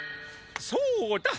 そうだ！